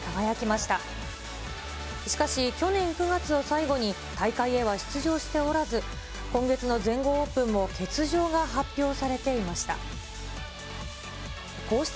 しかし、去年９月を最後に、大会へは出場しておらず、今月の全豪オープンも欠場が発表されていました。